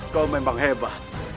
kau memang hebat